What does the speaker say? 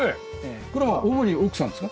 これは主に奥さんですか？